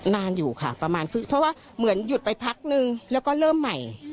นานอยู่ค่ะประมาณเพราะว่าเหมือนหยุดไปพักนึงแล้วก็เริ่มใหม่